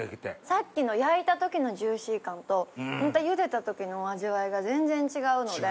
さっきの焼いた時のジューシー感とゆでた時の味わいが全然違うので。